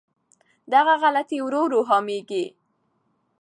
دغه غلطۍ ورو ورو عامېږي.